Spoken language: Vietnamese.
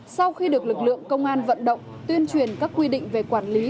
sau khi được lực lượng công an vận động tuyên truyền các quy định về quản lý